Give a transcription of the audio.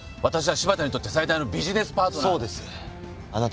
わたしは柴田にとって最大のビジネスパートナーだ。